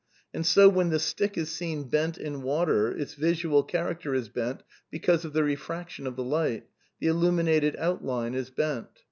And so when the stick is seen bent in water, its visual character is bent because of the refraction of the light; the illuminated outline is bent.